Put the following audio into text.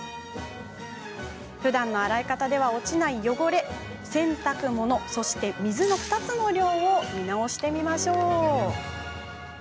ふだんの洗い方では落ちない汚れ洗濯物と水２つの量を見直してみましょう。